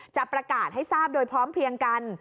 จะประกาศให้ทราบโดยพร้อมเพลียงกัน